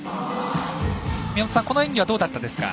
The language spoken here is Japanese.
宮本さん、この演技はどうだったですか。